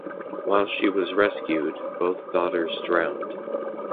While she was rescued, both daughters drowned.